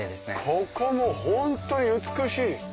ここもホントに美しい。